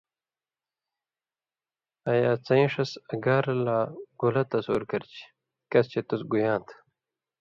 ایا څَیں ݜس اگار لا گولہ تصُور کرچھی، کس چے تُس گُیاں تھہ؟